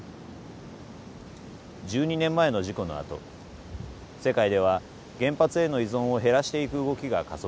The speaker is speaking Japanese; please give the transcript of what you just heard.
１２年前の事故のあと世界では原発への依存を減らしていく動きが加速しました。